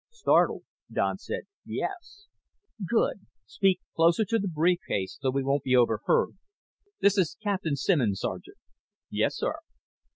Startled, Don said, "Yes." "Good. Speak closer to the brief case so we won't be overheard. This is Captain Simmons, Sergeant." "Yes, sir."